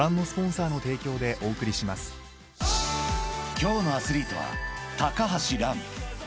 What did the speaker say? ［今日のアスリートは橋藍］